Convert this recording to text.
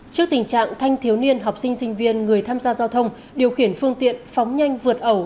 trước tình trạng thanh thiếu niên học sinh sinh viên người tham gia giao thông điều khiển phương tiện phóng nhanh vượt ẩu